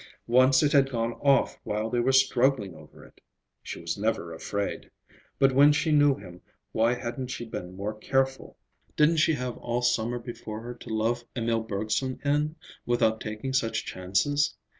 Once it had gone off while they were struggling over it. She was never afraid. But, when she knew him, why hadn't she been more careful? Didn't she have all summer before her to love Emil Bergson in, without taking such chances?